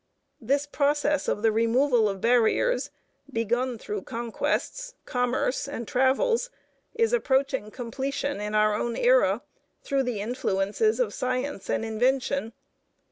This process of the removal of barriers, begun through conquests, commerce, and travels, is approaching completion in our own era, through the influences of science and invention.